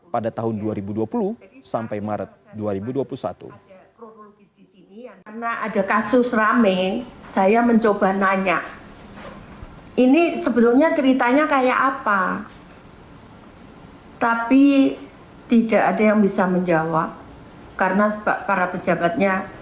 pada tahun dua ribu dua puluh sampai maret dua ribu dua puluh satu